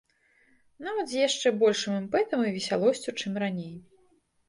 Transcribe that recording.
Нават з яшчэ большым імпэтам і весялосцю, чым раней.